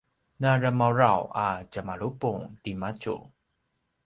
na dremaudraw a tjemalupung timadju